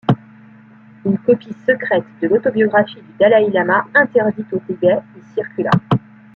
Une copie secrète de l'autobiographie du dalaï-lama interdite au Tibet y circula.